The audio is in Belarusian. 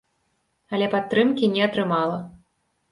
Але падтрымкі не атрымала.